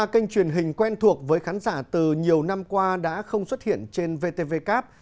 hai mươi ba kênh truyền hình quen thuộc với khán giả từ nhiều năm qua đã không xuất hiện trên vtvcap